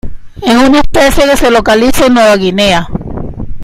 Es una especie que se localiza en Nueva Guinea.